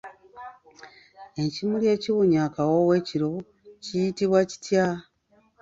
Ekimuli ekiwunya akawoowo ekiro kiyitibwa kitya?